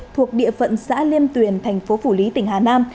thuộc địa phận xã liêm tuyền tp phủ lý tỉnh hà nam